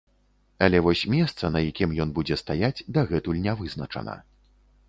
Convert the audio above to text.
Але вось месца, на якім ён будзе стаяць, дагэтуль не вызначана.